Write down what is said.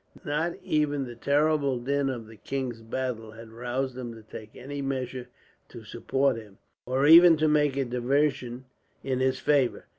Not even the terrible din of the king's battle had roused him to take any measure to support him, or even to make a diversion in his favour.